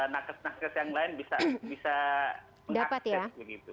nakes nakes yang lain bisa mengakses begitu